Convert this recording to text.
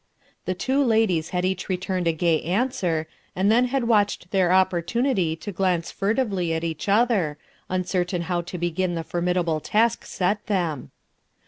The two ladies had each returned a gay answer, and then had watched their opportunity to glance furtively at each other, uncertain how to begin the formidable task set them.